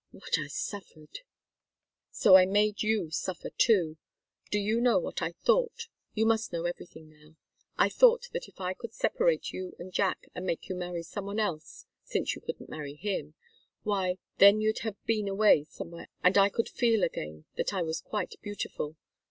What I suffered! So I made you suffer, too. Do you know what I thought? You must know everything now. I thought that if I could separate you and Jack and make you marry some one else since you couldn't marry him why, then you'd have been away somewhere else, and I could feel again that I was quite beautiful.